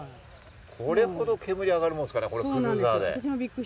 これほど煙が上がるものですかね？